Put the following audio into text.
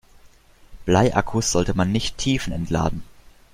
Bleiakkus sollte man nicht tiefentladen.